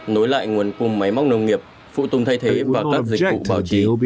nói lại nguồn cung máy móc nông nghiệp phụ tùng thay thế và các dịch vụ bảo trí